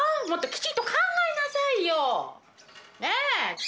もっときちんと考えなさいよ！ねえ？